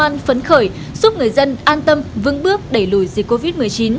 người dân an tâm vững bước đẩy lùi dịch covid một mươi chín